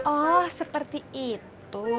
oh seperti itu